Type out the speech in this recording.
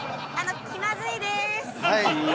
気まずいです。